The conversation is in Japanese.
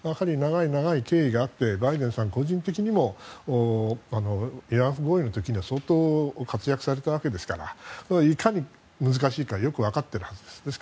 長い経緯があってバイデンさんは個人的にも慰安婦合意の時は相当活躍されたわけですからいかに難しいかは分かっているはずです。